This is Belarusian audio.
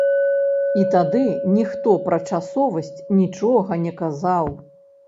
І тады ніхто пра часовасць нічога не казаў.